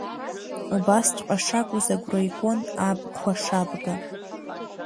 Убасҵәҟьа шакәыз агәра игон аб хәашабга.